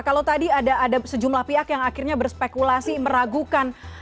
kalau tadi ada sejumlah pihak yang akhirnya berspekulasi meragukan